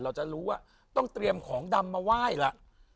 เราจะรู้ว่าต้องเตรียมของดำมาไหว้ล่ะ